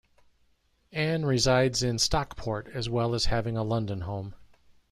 Ann resides in Stockport as well as having a London home.